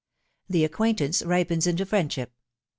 THE ACQUAINTANCE RIPENS INTO FRIENDSHIP.